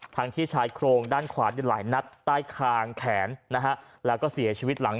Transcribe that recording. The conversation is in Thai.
ที่ชายโครงด้านขวาหลายนัดใต้คางแขนนะฮะแล้วก็เสียชีวิตหลัง